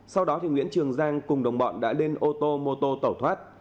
sau đó nguyễn trường giang cùng đồng bọn đã lên ô tô mô tô tẩu thoát